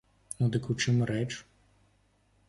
Ну, дык у чым рэч?